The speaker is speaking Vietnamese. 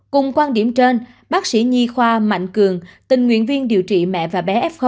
cùng quan điểm trên bác sĩ nhi khoa mạnh cường tình nguyện viên điều trị mẹ và bé f một